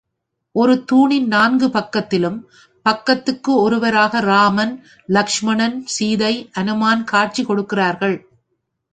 ஒரு தூணின் நான்கு பக்கத்திலும், பக்கத்துக்கு ஒருவராக ராமன், லக்ஷ்மணன், சீதை, அனுமன் காட்சி கொடுக்கிறார்கள்.